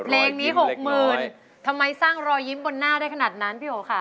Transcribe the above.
เพลงนี้๖๐๐๐ทำไมสร้างรอยยิ้มบนหน้าได้ขนาดนั้นพี่โอค่ะ